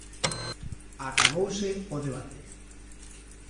Acabouse o debate.